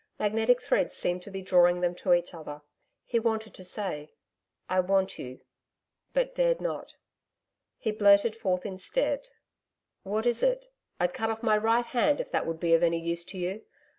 Magnetic threads seemed to be drawing them to each other. He wanted to say, 'I want you,' but dared not. He blurted forth instead? 'What is it? I'd cut off my right hand if that would be of any use to you.